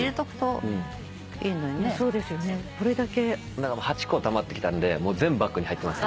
だから８個たまってきたんで全バッグに入ってます